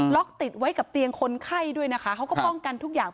ติดไว้กับเตียงคนไข้ด้วยนะคะเขาก็ป้องกันทุกอย่าง